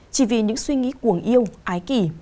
chỉ vì những suy nghĩ cuồng yêu ái kỳ